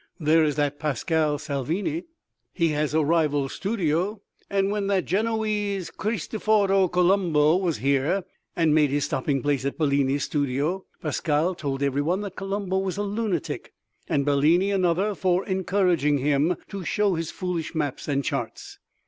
There is that Pascale Salvini—he has a rival studio—and when that Genoese, Christoforo Colombo, was here and made his stopping place at Bellini's studio, Pascale told every one that Colombo was a lunatic, and Bellini another, for encouraging him to show his foolish maps and charts.